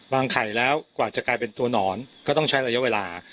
ไข่แล้วกว่าจะกลายเป็นตัวหนอนก็ต้องใช้ระยะเวลา